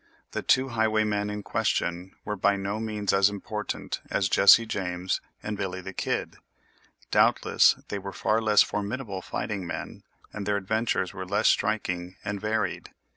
The two highwaymen in question were by no means as important as Jesse James and Billy the Kid; doubtless they were far less formidable fighting men, and their adventures were less striking and varied.